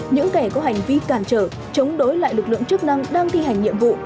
những kẻ có hành vi cản trở chống đối lại lực lượng chức năng đang thi hành nhiệm vụ